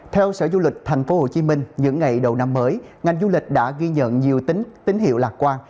theo sở du lịch tp hcm những ngày đầu năm mới ngành du lịch đã ghi nhận nhiều tín hiệu lạc quan